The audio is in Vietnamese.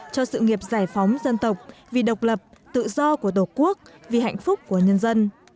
cho sự nghiệp giải phóng dân tộc vì độc lập tự do của tổ quốc vì hạnh phúc của nhân dân